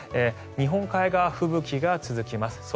日本海側、吹雪が続きます。